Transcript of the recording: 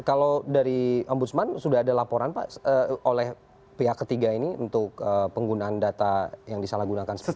kalau dari ombudsman sudah ada laporan pak oleh pihak ketiga ini untuk penggunaan data yang disalahgunakan seperti itu